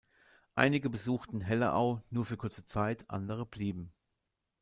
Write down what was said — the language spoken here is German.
Einige besuchten Hellerau nur für kurze Zeit, andere blieben.